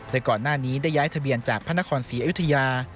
โดยก่อนหน้านี้ได้ย้ายทะเบียนจากพระนครศรีอยุธยา